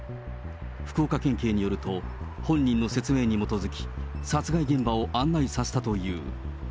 福岡県警によると、本人の説明に基づき、殺害現場を案内させたという。